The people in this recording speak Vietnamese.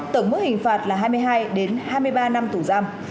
tổng mức hình phạt là hai mươi hai hai mươi ba năm tù giam